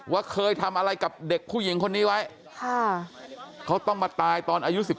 ว่าเคยทำอะไรกับเด็กผู้หญิงคนนี้ไว้เขาต้องมาตายตอนอายุ๑๓